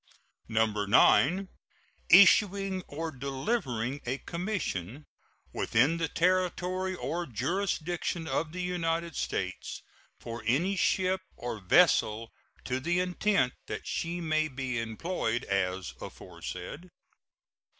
9. Issuing or delivering a commission within the territory or jurisdiction of the United States for any ship or vessel to the intent that she may be employed as aforesaid.